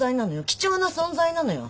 貴重な存在なのよ。